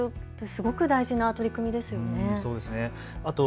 すごく大事な取り組みですね。